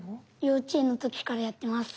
幼稚園の時からやってます。